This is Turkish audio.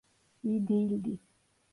İyi değildi.